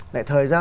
lại thời gian